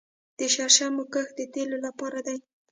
د شرشمو کښت د تیلو لپاره دی